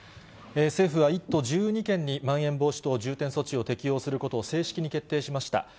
政府は、１都１２県にまん延防止等重点措置を適用することを正式に決定しました。